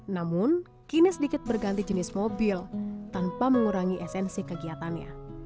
namun kini sedikit berganti jenis mobil tanpa mengurangi esensi kegiatannya